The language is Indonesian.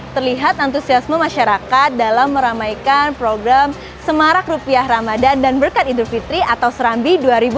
terlihat antusiasme masyarakat dalam meramaikan program semarak rupiah ramadan dan berkat idul fitri atau serambi dua ribu dua puluh